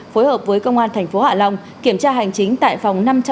phối hợp với công an thành phố hạ long kiểm tra hành chính tại phòng năm trăm linh